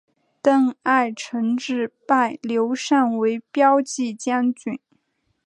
邓艾承制拜刘禅为骠骑将军。